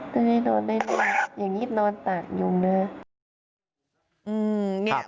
ได้นอนได้ดีครับอย่างนี้นอนต่างยุงนะครับทำไมครับ